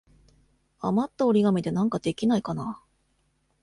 あまった折り紙でなんかできないかな。